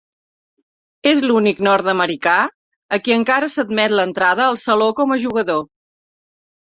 És l'únic nord-americà a qui encara s'admet l'entrada al saló com a jugador.